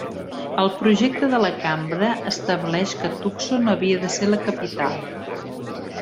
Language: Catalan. El projecte de la Cambra estableix que Tucson havia de ser la capital.